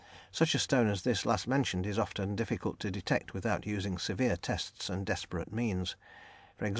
Such a stone as this last mentioned is often difficult to detect without using severe tests and desperate means, e.g.